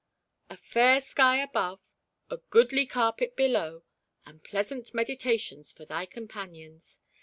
" A fair sky above, a goodly carpet below, and plea sant meditations for thy companions